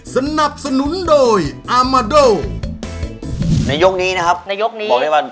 สนับสนุนโดยอามาโดในยกนี้นะครับในยกนี้บอกเลยว่า